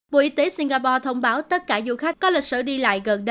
bộ y tế singapore thông báo tất cả du khách có lịch sử đi lại